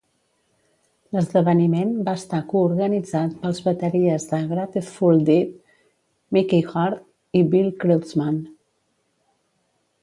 L'esdeveniment va estar coorganitzat pels bateries de Grateful Dead, Mickey Hart i Bill Kreutzmann.